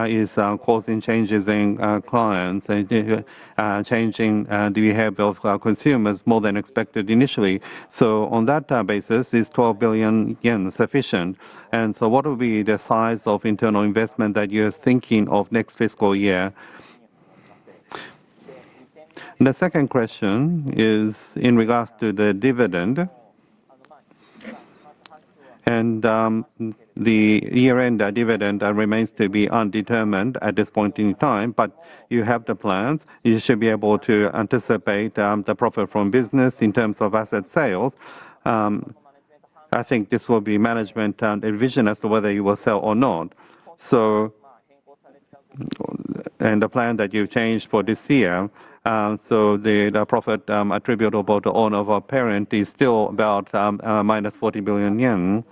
is causing changes in clients and changing the behavior of consumers more than expected initially. So on that basis, is ¥12 billion sufficient? What will be the size of internal investment that you're thinking of next fiscal year? The second question is in regards to the dividend. The year-end dividend remains to be undetermined at this point in time, but you have the plans. You should be able to anticipate the profit from business in terms of asset sales. I think this will be management and a vision as to whether you will sell or not. The plan that you've changed for this year, so the profit attributable to all of our parents is still about minus ¥40 billion.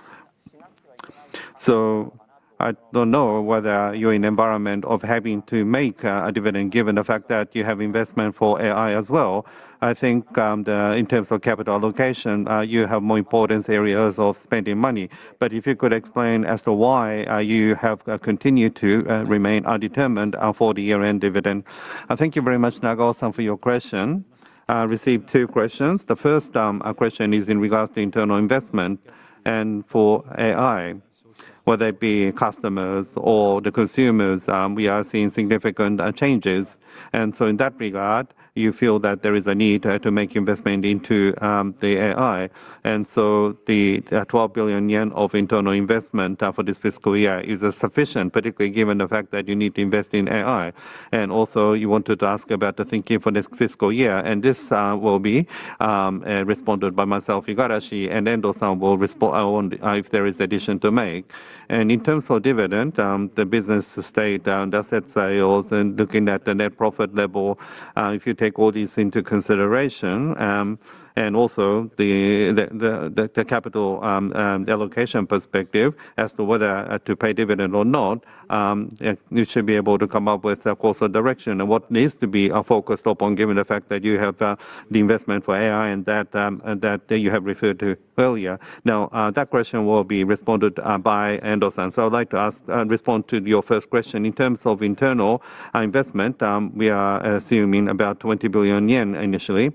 So I don't know whether you're in an environment of having to make a dividend given the fact that you have investment for AI as well. I think in terms of capital allocation, you have more important areas of spending money. But if you could explain as to why you have continued to remain undetermined for the year-end dividend. Thank you very much, Nagao, for your question. I received two questions. The first question is in regards to internal investment and for AI, whether it be customers or the consumers, we are seeing significant changes. So in that regard, you feel that there is a need to make investment into the AI. So the ¥12 billion of internal investment for this fiscal year is sufficient, particularly given the fact that you need to invest in AI. Also you wanted to ask about the thinking for next fiscal year. This will be responded by myself, Yugarashi, and Endo-san will respond if there is addition to make. In terms of dividend, the business state and asset sales, and looking at the net profit level, if you take all these into consideration, and also the capital allocation perspective as to whether to pay dividend or not, you should be able to come up with a course of direction and what needs to be focused upon given the fact that you have the investment for AI and that you have referred to earlier. Now, that question will be responded by Endo-san. So I'd like to respond to your first question. In terms of internal investment, we are assuming about ¥20 billion initially.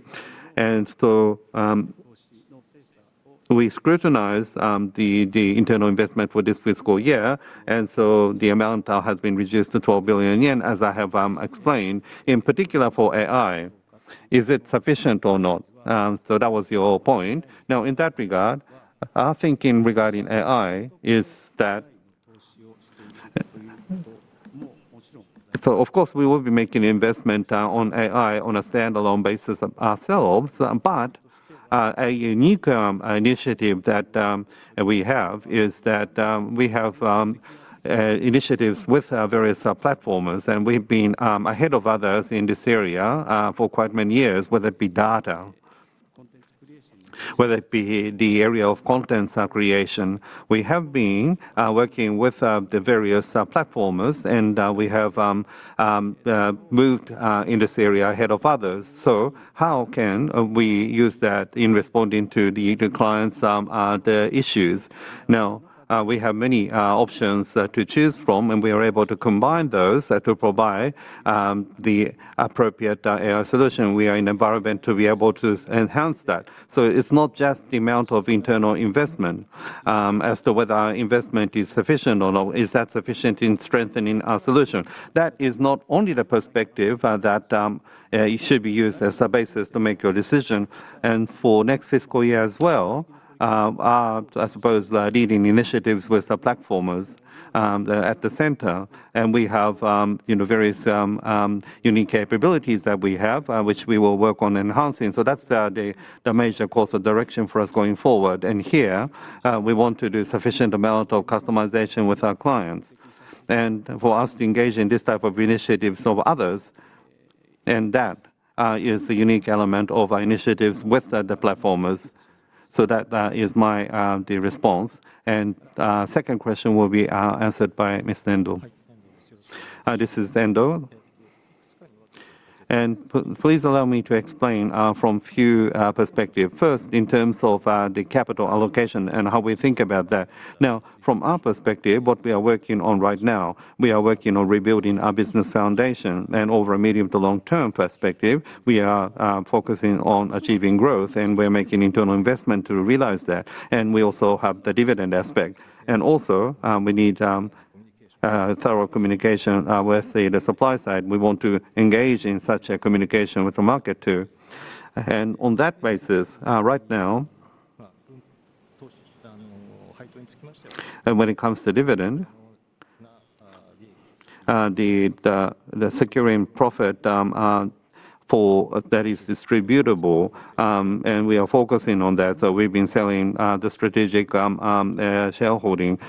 So we scrutinize the internal investment for this fiscal year. So the amount has been reduced to ¥12 billion, as I have explained, in particular for AI. Is it sufficient or not? So that was your point. Now, in that regard, our thinking regarding AI is that, of course, we will be making investment on AI on a standalone basis ourselves. But a unique initiative that we have is that we have initiatives with various platforms, and we've been ahead of others in this area for quite many years, whether it be data, whether it be the area of content creation. We have been working with the various platforms, and we have moved in this area ahead of others. So how can we use that in responding to the clients' issues? Now, we have many options to choose from, and we are able to combine those to provide the appropriate AI solution. We are in an environment to be able to enhance that. So it's not just the amount of internal investment as to whether our investment is sufficient or not. Is that sufficient in strengthening our solution? That is not only the perspective that should be used as a basis to make your decision. For next fiscal year as well, I suppose leading initiatives with the platforms at the center. We have various unique capabilities that we have, which we will work on enhancing. So that's the major course of direction for us going forward. Here, we want to do a sufficient amount of customization with our clients. For us to engage in this type of initiatives of others, and that is the unique element of our initiatives with the platforms. So that is my response. The second question will be answered by Ms. Endo. This is Endo. Please allow me to explain from a few perspectives. First, in terms of the capital allocation and how we think about that. Now, from our perspective, what we are working on right now, we are working on rebuilding our business foundation. Over a medium to long-term perspective, we are focusing on achieving growth, and we're making internal investment to realize that. We also have the dividend aspect. Also, we need thorough communication with the supply side. We want to engage in such communication with the market too. On that basis, right now, when it comes to dividend, the securing profit that is distributable, and we are focusing on that. So we've been selling the strategic shareholding.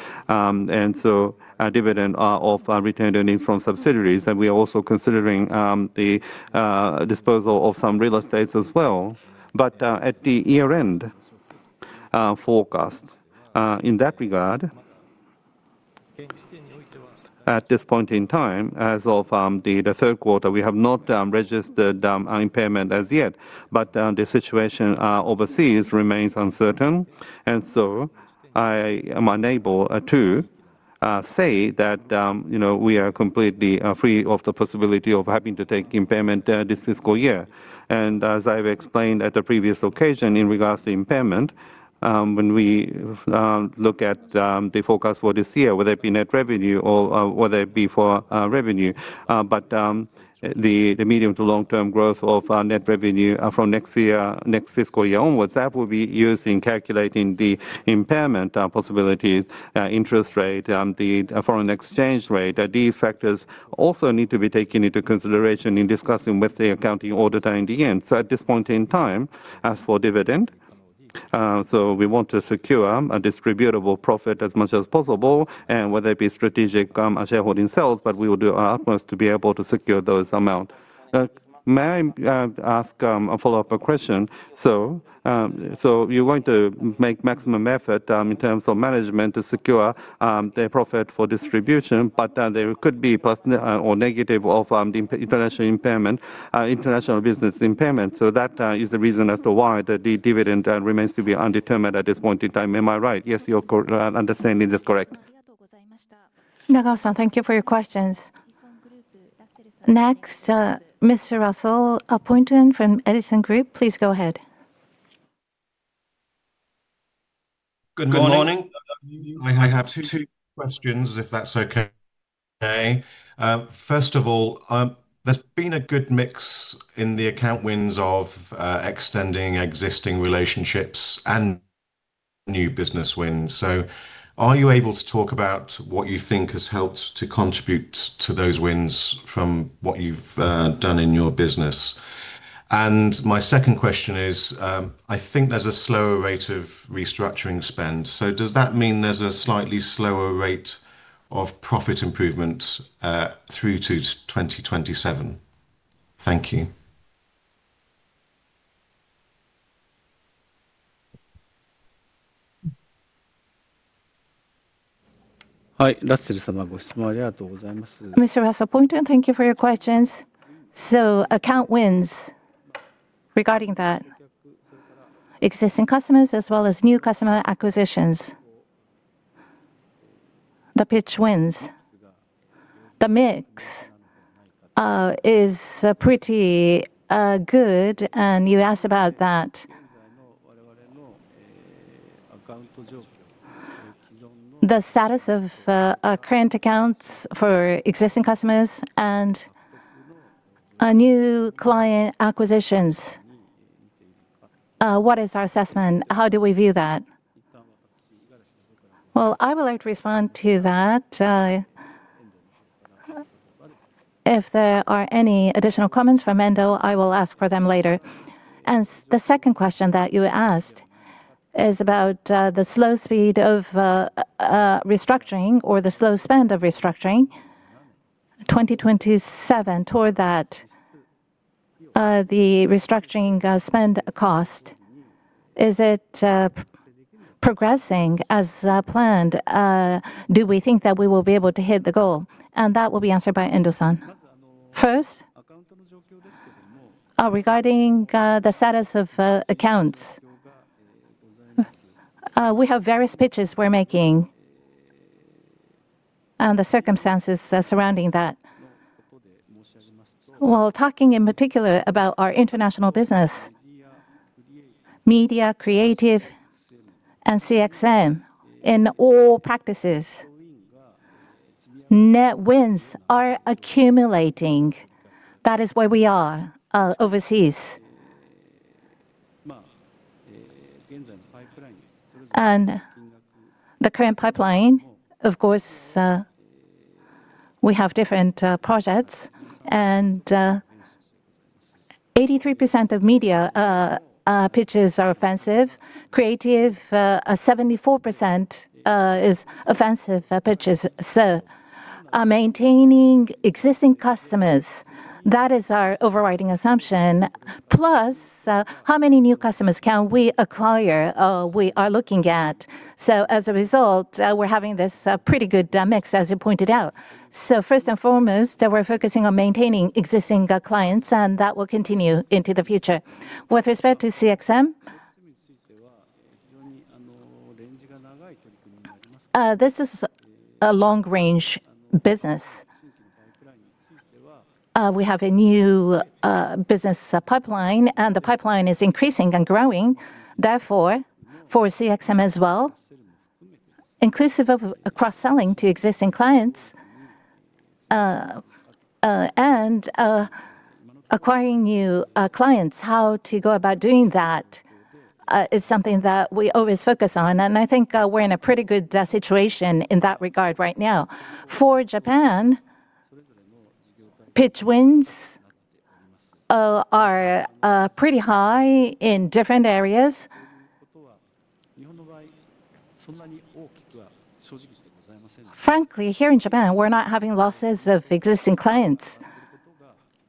So dividend of returned earnings from subsidiaries. We are also considering the disposal of some real estate as well. But at the year-end forecast, in that regard, at this point in time, as of the third quarter, we have not registered impairment as yet. But the situation overseas remains uncertain. So I am unable to say that we are completely free of the possibility of having to take impairment this fiscal year. As I've explained at a previous occasion in regards to impairment, when we look at the forecast for this year, whether it be net revenue or whether it be for revenue, but the medium to long-term growth of net revenue from next fiscal year onwards, that will be used in calculating the impairment possibilities, interest rate, the foreign exchange rate. These factors also need to be taken into consideration in discussing with the accounting auditor in the end. So at this point in time, as for dividend, so we want to secure a distributable profit as much as possible, and whether it be strategic shareholding sales, but we will do our utmost to be able to secure those amounts. May I ask a follow-up question? So you're going to make maximum effort in terms of management to secure the profit for distribution, but there could be plus or negative of international impairment, international business impairment. So that is the reason as to why the dividend remains to be undetermined at this point in time. Am I right? Yes, your understanding is correct. Thank you for your questions. Next, Mr. Russell, appointed from Edison Group, please go ahead. Good morning. I have two questions, if that's okay. First of all, there's been a good mix in the account wins of extending existing relationships and new business wins. So are you able to talk about what you think has helped to contribute to those wins from what you've done in your business? My second question is, I think there's a slower rate of restructuring spend. So does that mean there's a slightly slower rate of profit improvement through to 2027? Thank you. はい、ラッセル様、ご質問ありがとうございます。Mr. Russell appointed, thank you for your questions. So account wins regarding that. Existing customers as well as new customer acquisitions. The pitch wins. The mix is pretty good, and you asked about that. The status of current accounts for existing customers and new client acquisitions. What is our assessment? How do we view that? I would like to respond to that. If there are any additional comments from Endo, I will ask for them later. The second question that you asked is about the slow speed of restructuring or the slow spend of restructuring. 2027, toward that, the restructuring spend cost, is it progressing as planned? Do we think that we will be able to hit the goal? That will be answered by Endo-san. First, regarding the status of accounts, we have various pitches we're making and the circumstances surrounding that. While talking in particular about our international business, media, creative, and CXM, in all practices, net wins are accumulating. That is where we are overseas. The current pipeline, of course, we have different projects. 83% of media pitches are offensive. Creative, 74% is offensive pitches. Maintaining existing customers, that is our overriding assumption. Plus, how many new customers can we acquire? We are looking at that. As a result, we're having this pretty good mix, as you pointed out. First and foremost, we're focusing on maintaining existing clients, and that will continue into the future. With respect to CXM, this is a long-range business. We have a new business pipeline, and the pipeline is increasing and growing. Therefore, for CXM as well, inclusive of cross-selling to existing clients and acquiring new clients, how to go about doing that is something that we always focus on. I think we're in a pretty good situation in that regard right now. For Japan, pitch wins are pretty high in different areas. Frankly, here in Japan, we're not having losses of existing clients.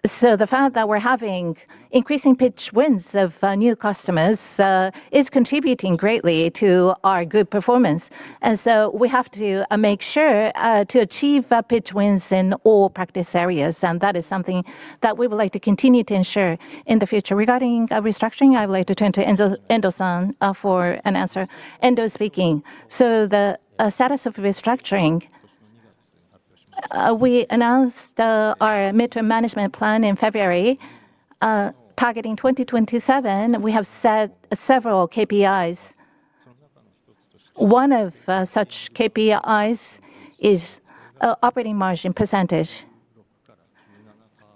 The fact that we're having increasing pitch wins of new customers is contributing greatly to our good performance. We have to make sure to achieve pitch wins in all practice areas. That is something that we would like to continue to ensure in the future. Regarding restructuring, I would like to turn to Endo-san for an answer. Endo speaking. The status of restructuring, we announced our midterm management plan in February. Targeting 2027, we have set several KPIs. One of such KPIs is operating margin percentage.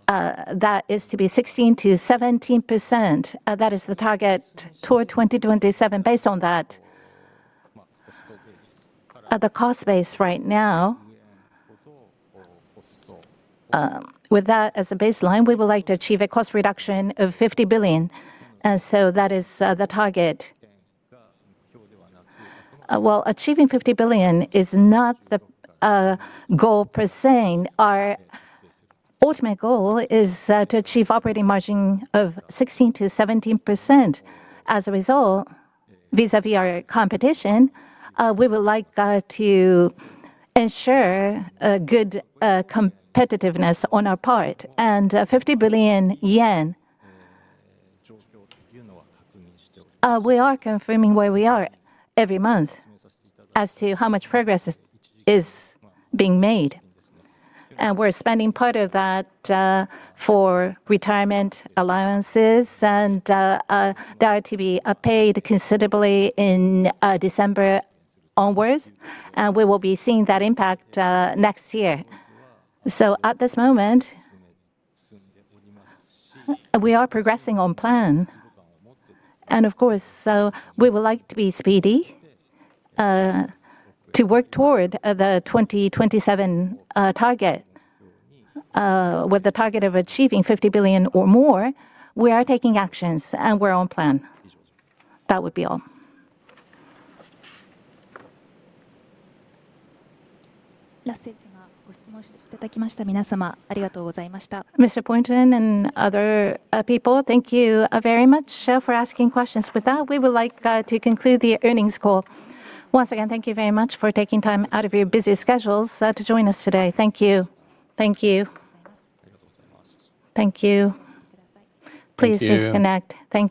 That is to be 16% to 17%. That is the target toward 2027 based on that. The cost base right now, with that as a baseline, we would like to achieve a cost reduction of ¥50 billion. That is the target. Achieving ¥50 billion is not the goal per se. Our ultimate goal is to achieve operating margin of 16% to 17%. As a result, vis-à-vis our competition, we would like to ensure good competitiveness on our part. ¥50 billion, we are confirming where we are every month as to how much progress is being made. We're spending part of that for retirement allowances. There are to be paid considerably in December onwards. We will be seeing that impact next year. At this moment, we are progressing on plan. Of course, we would like to be speedy to work toward the 2027 target. With the target of achieving ¥50 billion or more, we are taking actions, and we're on plan. That would be all. Thank you very much. Mr. Point and other people, thank you very much for asking questions. With that, we would like to conclude the earnings call. Once again, thank you very much for taking time out of your busy schedules to join us today. Thank you. Thank you. Thank you. Please disconnect. Thank you.